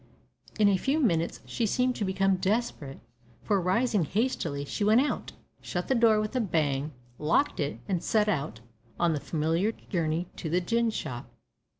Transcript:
in a few minutes she seemed to become desperate, for, rising hastily, she went out, shut the door with a bang, locked it, and set out on the familiar journey to the gin shop.